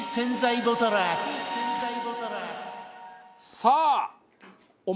さあ！